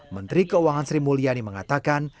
menteri keuangan sri mulyani mengatakan